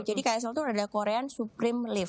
jadi ksl itu adalah korean supreme lift